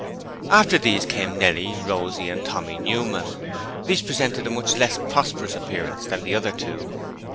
After these came Nellie, Rosie and Tommy Newman. These presented a much less prosperous appearance than the other two.